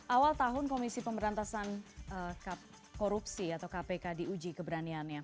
awal tahun komisi pemberantasan korupsi atau kpk diuji keberaniannya